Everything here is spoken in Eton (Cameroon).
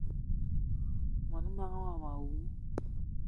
Mon manga womo awou!